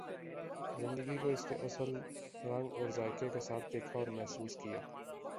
زندگی کو اس کے اصل رنگ اور ذائقہ کے ساتھ دیکھا اور محسوس کیا